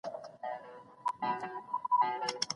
هغه فرمايلي دي.